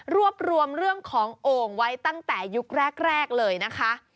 รวบรวมเรื่องของโอ่งไว้ตั้งแต่ยุคแรกเลยนะคะ